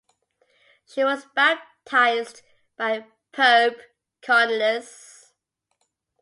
She was baptized by Pope Cornelius.